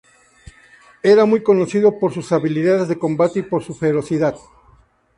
Era muy conocido por sus habilidades de combate y por su ferocidad.